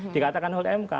dikatakan oleh mk